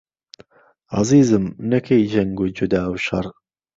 عهزیزم نهکهی جهنگ و جودا و شەر